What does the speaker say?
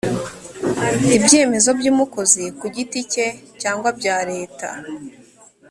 ibyemezo by umukozi ku giti cye cyangwa bya leta